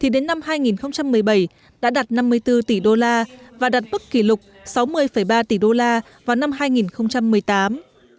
đến năm hai nghìn một mươi bảy đã đạt năm mươi bốn tỷ đô la và đạt bức kỷ lục sáu mươi ba tỷ đô la vào năm hai nghìn một mươi tám